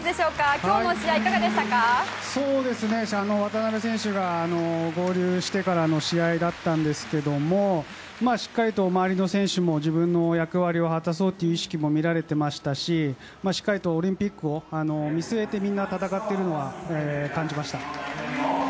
今日は渡邊選手が合流してからの試合だったんですがしっかりと周りの選手も自分の役割を果たそうという意識も見られていましたししっかりとオリンピックを見据えて、みんな戦っているのは感じました。